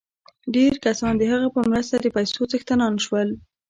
ډېر کسان د هغه په مرسته د پیسو څښتنان شول